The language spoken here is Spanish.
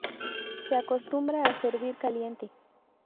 Se acostumbra a servir caliente.